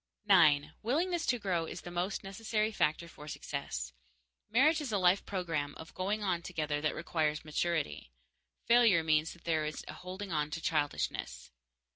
_9. Willingness to grow is the most necessary factor for success. Marriage is a life program of going on together that requires maturity; failure means that there is a holding on to childishness.